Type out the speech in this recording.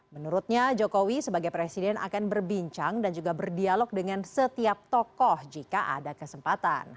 menurutnya jokowi sebagai presiden akan berbincang dan juga berdialog dengan setiap tokoh jika ada kesempatan